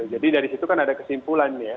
jadi dari situ kan ada kesimpulannya